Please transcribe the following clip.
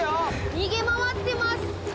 逃げ回ってます。